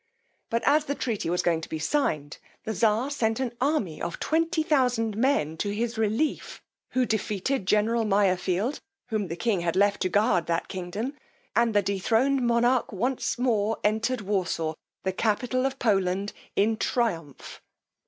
But as the treaty was going to be signed, the czar sent an army of 20,000 men to his relief, who defeated general Mayerfield, whom the king had left to guard that kingdom; and the dethroned monarch once more entered Warsaw, the capital of Poland, in triumph.